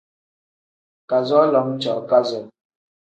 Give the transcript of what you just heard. Kazoo lam cooo kazoo.